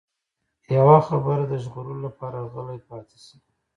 يوه خبره د ژغورلو لپاره غلی پاتې شي.